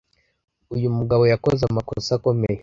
Uyu mugabo yakoze amakosa akomeye